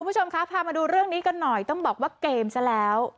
คุณผู้ชมคะพามาดูเรื่องนี้กันหน่อยต้องบอกว่าเกมซะแล้ว